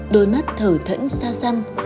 đôi mắt thở thẫn xa xăm